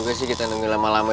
parah kita kerjain aja lah